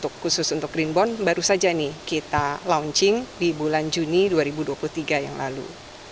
khusus untuk green bond baru saja nih kita launching di bulan juni dua ribu dua puluh tiga yang lalu